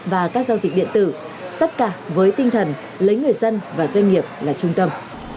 và các giao dịch điện tử tất cả với tinh thần lấy người dân và doanh nghiệp là trung tâm